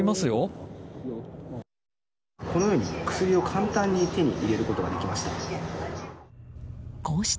このように薬を簡単に手に入れることができました。